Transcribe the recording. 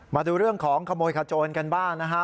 มาดูเรื่องของขโมยขโจรกันบ้างนะฮะ